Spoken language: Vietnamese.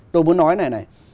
tôi muốn nói cái này này